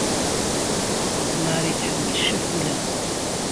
Mari tḥemmel ccakula.